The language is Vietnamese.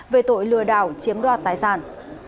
về tội lừa đảo chiếm đoạt tài sản